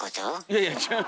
いやいや。